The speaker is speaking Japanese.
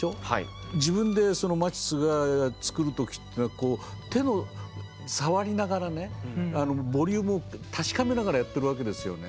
自分でそのマティスが作る時っていうのは手の触りながらねボリュームを確かめながらやってるわけですよね。